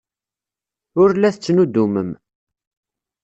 Ur la tettnuddumem.